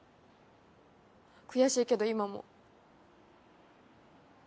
悔しいけど今も。